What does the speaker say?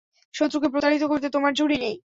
শত্রুকে প্রতারিত করতে তোমার জুড়ি নেই।